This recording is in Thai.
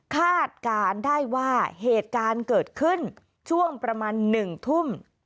คาดการณ์ได้ว่าเหตุการณ์เกิดขึ้นช่วงประมาณ๑ทุ่ม